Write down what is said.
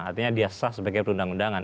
artinya dia sah sebagai perundang undangan